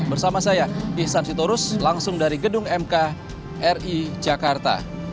bersama saya ihsan sitorus langsung dari gedung mk ri jakarta